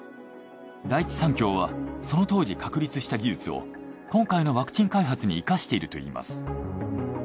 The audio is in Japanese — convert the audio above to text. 第一三共はその当時確立した技術を今回のワクチン開発に生かしているといいます。